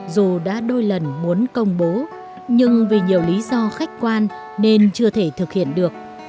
dù đã đôi lần muốn công bố nhưng vì nhiều lý do khách quan nên chưa thể thực hiện được